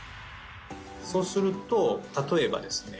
そうすると例えばですね